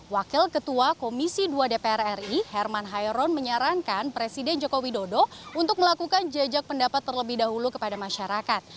wakil ketua komisi dua dpr ri herman hairon menyarankan presiden joko widodo untuk melakukan jejak pendapat terlebih dahulu kepada masyarakat